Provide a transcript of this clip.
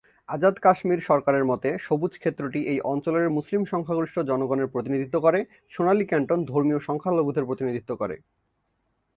আজাদ কাশ্মীর সরকারের মতে, সবুজ ক্ষেত্রটি এই অঞ্চলের মুসলিম সংখ্যাগরিষ্ঠ জনগণের প্রতিনিধিত্ব করে; সোনালী ক্যান্টন ধর্মীয় সংখ্যালঘুদের প্রতিনিধিত্ব করে।